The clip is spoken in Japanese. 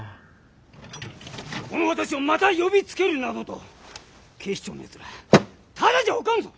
この私をまた呼びつけるなどと警視庁のやつらただじゃおかんぞ。